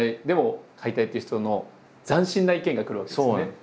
でも買いたいっていう人の斬新な意見が来るわけですね。